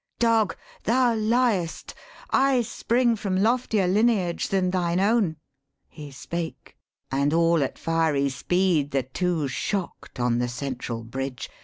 'Dog, thou liest. I spring from loftier lineage than thine own.' He spake; and all at fiery speed the two Shock'd on the central bridge.